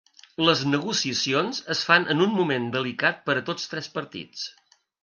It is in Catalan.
Les negociacions es fan en un moment delicat per a tots trets partits.